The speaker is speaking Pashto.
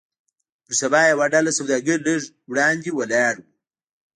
پر سبا يوه ډله سوداګر لږ وړاندې ولاړ وو.